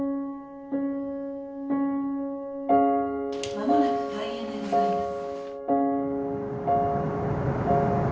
「間もなく開演でございます」。